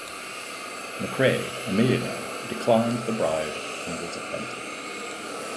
McCray, a millionaire, declined the bribe and was offended.